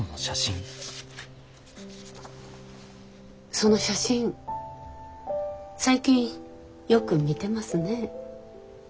その写真最近よく見てますね。